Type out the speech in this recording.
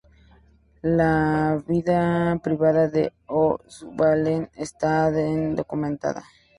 La vida privada de O'Sullivan está bien documentada.